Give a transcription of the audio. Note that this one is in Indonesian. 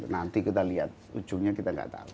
nanti kita lihat ujungnya kita nggak tahu